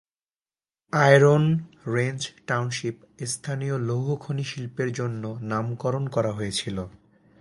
Iron Range Township স্থানীয় লৌহ খনি শিল্পের জন্য নামকরণ করা হয়েছিল।